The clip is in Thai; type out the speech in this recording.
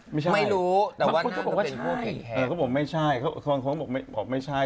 ไม่รู้แต่บางคนก็บอกว่าใช่